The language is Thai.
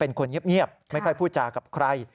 เป็นคนเงียบไม่ค่อยพูดจากับใคร